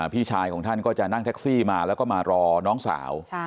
พี่ชายของท่านก็จะนั่งแท็กซี่มาแล้วก็มารอน้องสาว